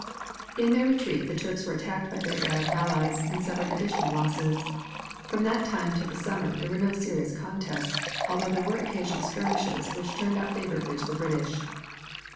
In their retreat the Turks were attacked by their Arab allies, and suffered additional losses. From that time till summer there were no serious contests, although there were occasional skirmishes which turned out favorably to the British.